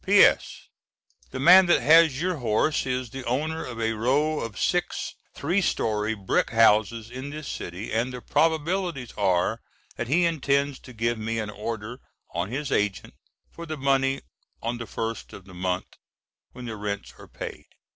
P.S. The man that has your horse is the owner of a row of six three story brick houses in this city, and the probabilities are that he intends to give me an order on his agent for the money on the first of the month when the rents are paid.